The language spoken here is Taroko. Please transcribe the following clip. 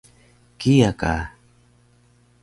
kiya ka